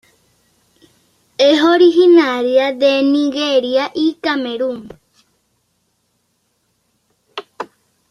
Es originaria de Nigeria y Camerún.